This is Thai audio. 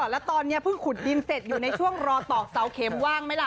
แล้วตอนนี้เพิ่งขุดดินเสร็จอยู่ในช่วงรอตอกเสาเข็มว่างไหมล่ะ